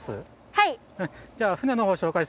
はい！